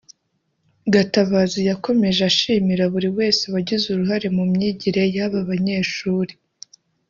Gatabazi yakomeje ashimira buri wese wagize uruhare mu myigire y’aba banyeshuri